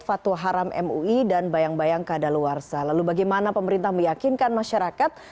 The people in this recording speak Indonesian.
fatwa haram mui dan bayang bayang kadaluarsa lalu bagaimana pemerintah meyakinkan masyarakat